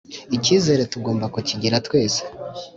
icyizere tugomba kukigira twese